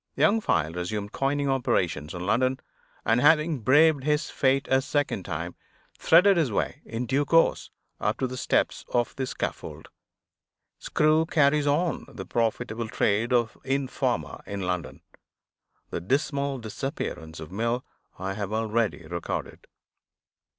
Young File resumed coining operations in London; and, having braved his fate a second time, threaded his way, in due course, up to the steps of the scaffold. Screw carries on the profitable trade of informer, in London. The dismal disappearance of Mill I have already recorded.